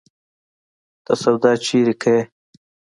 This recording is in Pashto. ته سودا چيري کيې؟